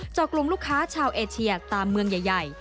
กลุ่มลูกค้าชาวเอเชียตามเมืองใหญ่